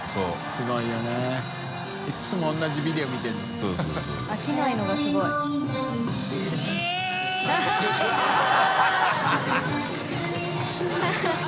すごいよねいつも同じビデオ見てるの。）そうそう。飽きないのがすごい。））ハハハ ）ハハハ